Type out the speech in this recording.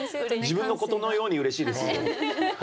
自分のことのようにうれしいです。